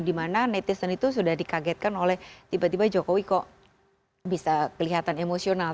dimana netizen itu sudah dikagetkan oleh tiba tiba jokowi kok bisa kelihatan emosional